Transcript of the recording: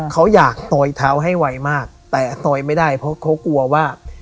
เขาอยากต่อยเท้าให้ไวมากแต่ต่อยไม่ได้เพราะเขากลัวว่า